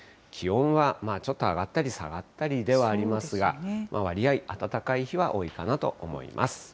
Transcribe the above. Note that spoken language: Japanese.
気温はちょっと上がったり下がったりではありますが、割合暖かい日は多いかなと思います。